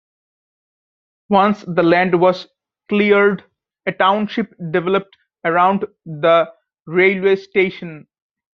Once the land was cleared, a township developed around the railway station.